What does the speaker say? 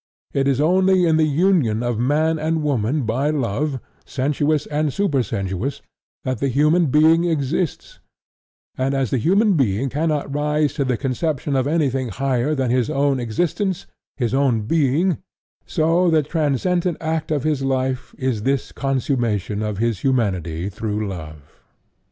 It is only in the union of man and woman by love (sensuous and supersensuous) that the human being exists; and as the human being cannot rise to the conception of anything higher than his own existence his own being so the transcendent act of his life is this consummation of his humanity through love."